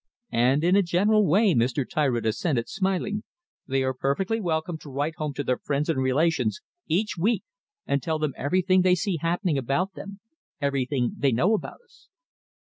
"And in a general way," Mr. Tyritt assented, smiling, "they are perfectly welcome to write home to their friends and relations each week and tell them everything they see happening about them, everything they know about us."